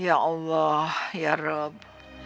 ya allah ya rob